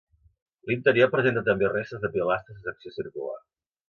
L'interior presenta també restes de pilastres de secció circular.